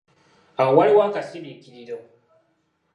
Awo waaliwo akasirikiriro.